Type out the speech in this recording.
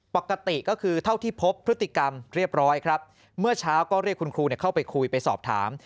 ปกติก็คือเท่าที่พบพฤติกรรมเรียบร้อยครับเมื่อเช้าก็เรียกคุณครูเข้าไปคุยไปสอบถาม